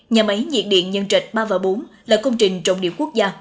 nhà máy nhiệt điện nhân chạch ba bốn là công trình trọng điểm quốc gia